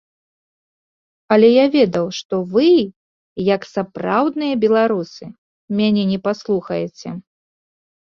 Але я ведаў, што вы, як сапраўдныя беларусы, мяне не паслухаеце.